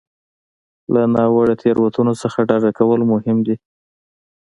له ناوړه تېروتنو څخه ډډه کول مهم دي.